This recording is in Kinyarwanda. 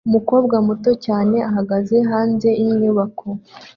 Umukobwa muto cyane ahagaze hanze yinyubako